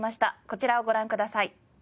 こちらをご覧ください。